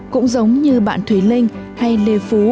cũng giống như bạn thúy linh hay lê phú